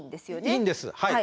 いいんですはい。